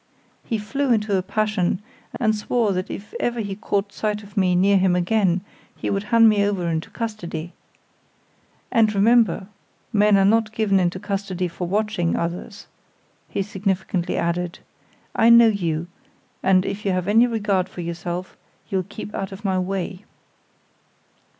"He flew into a passion, and swore that if ever he caught sight of me near him again he would hand me over into custody. 'And remember, men are not given into custody for watching others,' he significantly added. 'I know you, and if you have any regard for yourself, you'll keep out of my way.